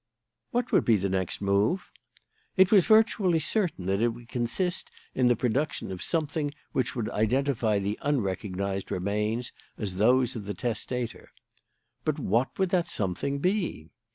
"What would be the next move? "It was virtually certain that it would consist in the production of something which would identify the unrecognised remains as those of the testator. "But what would that something be?